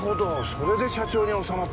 それで社長に納まった。